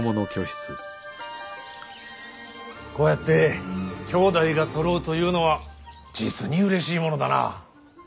こうやって兄弟がそろうというのは実にうれしいものだな。